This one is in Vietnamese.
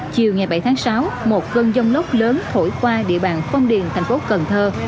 chiều ngày bảy tháng sáu một cơn dông lốc lớn thổi qua địa bàn phong điền thành phố cần thơ